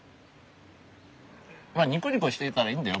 まあニコニコしていたらいいんだよ。